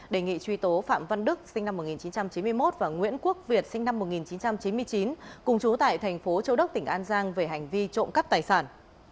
đề nghị truy tố phạm văn đức và nguyễn quốc việt cùng chú tại thành phố châu đốc tỉnh an giang về hành vi trộm cắt tài sản